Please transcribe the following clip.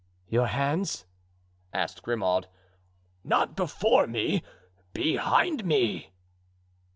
"Your hands?" asked Grimaud. "Not before me, behind me."